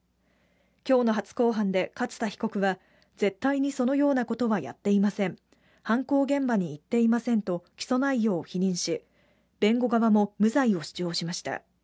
今日の初公判で勝田被告は、絶対にそのようなことはやっていません、犯行現場に行っていませんと起訴内容を否認し弁護側も無罪を主張しました。